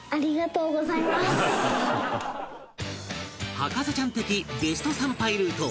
博士ちゃん的ベスト参拝ルート